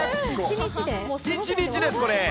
１日です、これ。